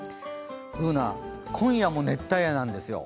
Ｂｏｏｎａ、今夜も熱帯夜なんですよ。